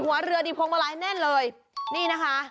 หัวเรือดีพวงมาลัยแน่นเลยนี่นะคะ